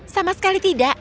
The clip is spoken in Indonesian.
sama sekali tidak